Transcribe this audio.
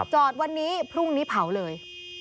จอดวันนี้พรุ่งนี้เผาเลย